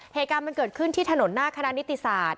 เหตุการณ์มันเกิดขึ้นที่ถนนหน้าคณะนิติศาสตร์